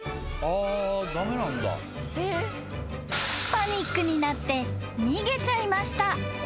［パニックになって逃げちゃいました］